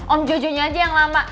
om jojo aja yang lama